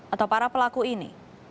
atau para pelaku ini